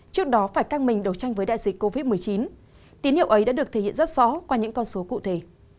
trước đó phải căng mình đấu tranh với đại dịch covid một mươi chín tín hiệu ấy đã được thể hiện rất rõ qua những con số cụ thể